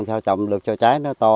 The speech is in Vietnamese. trồng được cho trái nó to